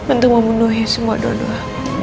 untuk memenuhi semua doa doa